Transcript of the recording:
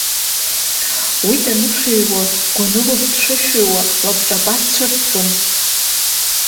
Уи данышәииуа гәанылоуп дшышәиуа, лабҿаба дцәырҵӡом.